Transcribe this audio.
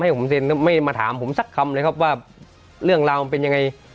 ให้ผมเซ็นไม่มาถามผมสักคำเลยครับว่าเรื่องราวมันเป็นยังไง